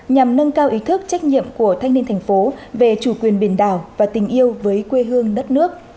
nhằm nâng cao ý thức trách nhiệm của thanh niên thành phố về chủ quyền biển đảo và tình yêu với quê hương đất nước